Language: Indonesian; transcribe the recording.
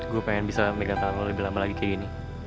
gue pengen bisa memegang tangan lebih lama lagi kayak gini